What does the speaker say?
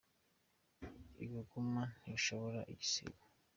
Ibuguma ntishobora isibo.